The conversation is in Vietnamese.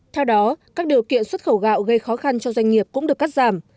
theo đó các điều kiện xuất khẩu gạo gây khó khăn cho doanh nghiệp cũng được cắt giảm